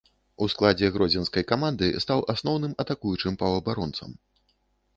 У складзе гродзенскай каманды стаў асноўным атакуючым паўабаронцам.